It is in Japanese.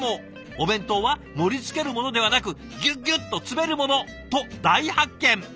お弁当は盛りつけるものではなくギュギュッと詰めるものと大発見！